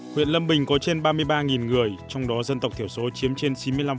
huyện lâm bình có trên ba mươi ba người trong đó dân tộc thiểu số chiếm trên chín mươi năm